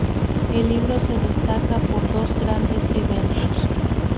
El libro se destaca por dos grandes eventos.